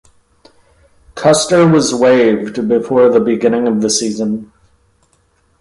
Kuster was waived before the beginning of the season.